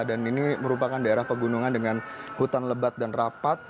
dan ini merupakan daerah pegunungan dengan hutan lebat dan rapat